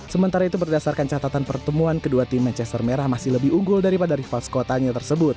sementara itu berdasarkan catatan pertemuan kedua tim manchester merah masih lebih unggul daripada rival skotanya tersebut